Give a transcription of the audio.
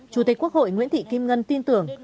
chủ tịch quốc hội nguyễn thị kim ngân tin tưởng